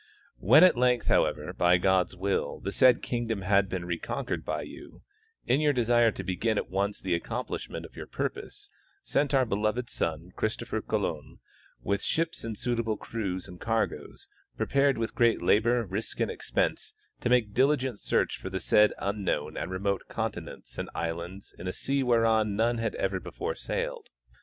When at length, however, by God's will, the said kingdom had been reconquered you, in your desire to begin at once the accomplishment of your purpose, sent our beloved son, Christopher Colon, with ships and suitable crews and cargoes, prepared with great labor, risk and expense, to make diligent search for the said unknown and remote conti nents and islands in a sea whereon none had ever before. sailed.